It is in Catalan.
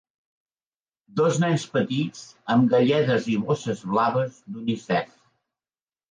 Dos nens petits amb galledes i bosses blaves d'Unicef.